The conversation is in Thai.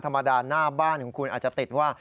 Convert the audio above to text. ธรรมดาหน้าบ้านของคุณอาจจะติดว่า